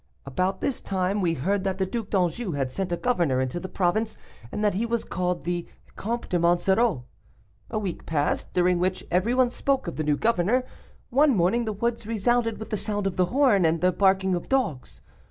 "About this time we heard that the Duc d'Anjou had sent a governor into the province, and that he was called the Comte de Monsoreau. A week passed, during which everyone spoke of the new governor. One morning the woods resounded with the sound of the horn, and the barking of dogs.